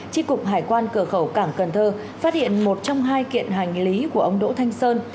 tri cục hải quan cửa khẩu cảng cần thơ phát hiện một trong hai kiện hành lý của ông đỗ thanh sơn